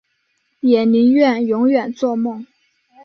也宁愿永远作梦